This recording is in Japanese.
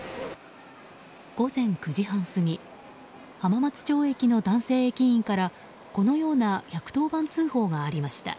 午前９時半過ぎ浜松町駅の男性駅員からこのような１１０番通報がありました。